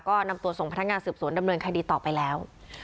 ก็นำตัวส่งพนักงานสืบสวนดำเนินคดีต่อไปแล้ว